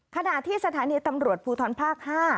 ขณะที่สถานีตำรวจภูทรภาค๕